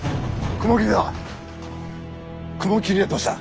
雲霧はどうした？